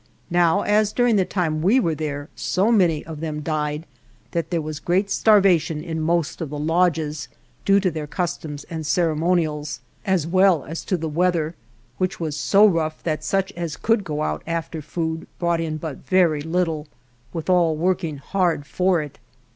Now, as during the time we were there so many 67 THE JOURNEY OF of them died, there was great starvation in most of the lodges, due to their customs and ceremonials, as well as to the weather, which was so rough that such as could go out after food brought in but very little, withal working hard for it.